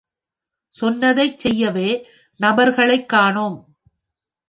சொன்னதைச் செய்யவே நபர்களைக் கானோம்.